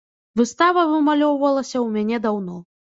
Выстава вымалёўвалася ў мяне даўно.